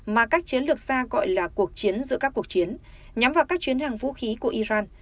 mà các chiến lược xa gọi là cuộc chiến giữa các cuộc chiến nhắm vào các chuyến hàng vũ khí của iran